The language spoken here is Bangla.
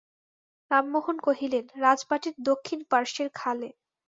রামমোহন কহিলেন, রাজবাটীর দক্ষিণ পার্শ্বের খালে।